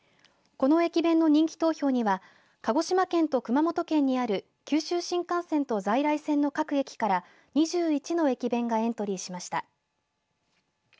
この駅弁の人気投票には鹿児島県と熊本県にある九州新幹線と在来線の各駅から２１の駅弁がエントリーしました。